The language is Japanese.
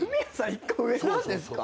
１個上なんですか？